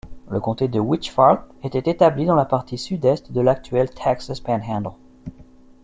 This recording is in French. Le comté de Wegefarth était établi dans la partie sud-est de l'actuel Texas Panhandle.